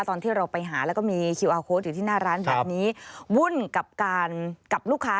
ตอนที่เราไปหาแล้วก็มีคิวอาร์โค้ดอยู่ที่หน้าร้านแบบนี้วุ่นกับการกับลูกค้า